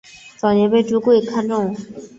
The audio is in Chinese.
早年很被朱圭看重。